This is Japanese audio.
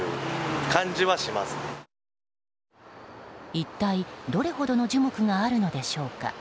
一体、どれほどの樹木があるのでしょうか。